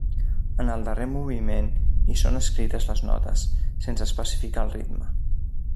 En el darrer moviment hi són escrites les notes; sense especificar el ritme.